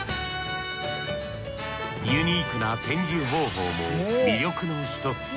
ユニークな展示方法も魅力の一つ。